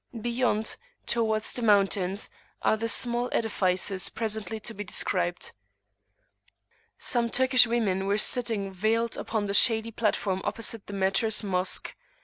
Beyond, towards the mountains, are the small edifices presently to be described. Some Turkish women were sitting veiled upon the shady platform opposite the Martyrs' Mosque.